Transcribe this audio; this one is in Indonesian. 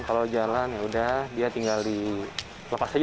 kalau jalan ya udah dia tinggal dilepas aja